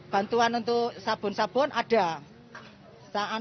bantuan untuk sabun sabun ada